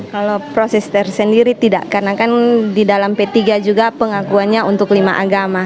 kalau proses tersendiri tidak karena kan di dalam p tiga juga pengakuannya untuk lima agama